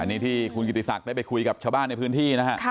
อันนี้ที่คุณกิติศักดิ์ได้ไปคุยกับชาวบ้านในพื้นที่นะฮะ